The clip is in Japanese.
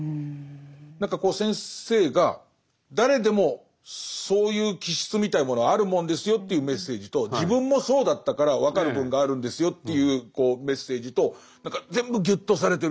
何かこう先生が誰でもそういう気質みたいなものはあるもんですよというメッセージと自分もそうだったから分かる部分があるんですよというメッセージと何か全部ぎゅっとされてる。